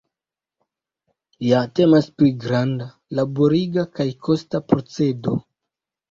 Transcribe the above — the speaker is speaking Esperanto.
Ja temas pri granda, laboriga kaj kosta procedo.